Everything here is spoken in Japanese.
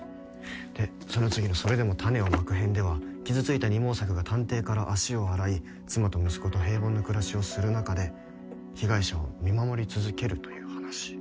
でその次の『それでも種をまく』編では傷ついた二毛作が探偵から足を洗い妻と息子と平凡な暮らしをする中で被害者を見守り続けるという話。